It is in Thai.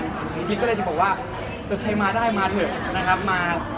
ฤทธิ์ก็เลยจะบอกว่าถ้าใครมาได้มาเถอะนะครับ